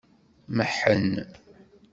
Meḥḥen.